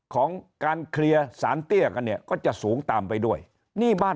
ของการเคลียร์สารเตี้ยกันเนี่ยก็จะสูงตามไปด้วยนี่บ้าน